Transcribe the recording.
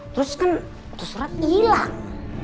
terus kan tuh surat hilang